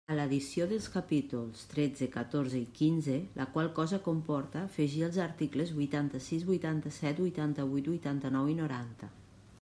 A l'addició dels capítols tretze, catorze i quinze, la qual cosa comporta afegir els articles huitanta-sis, huitanta-set, huitanta-huit, huitanta-nou i noranta.